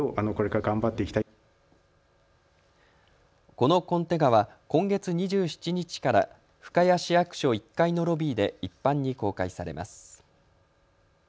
このコンテ画は今月２７日から深谷市役所１階のロビーで一般に公開されます。